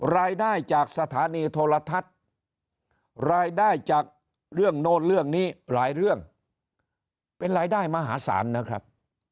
รายได้จากสถานีโทรทัศน์รายได้จากเรื่องโน้นเรื่องนี้หลายเรื่องเป็นรายได้มหาศาลนะครับ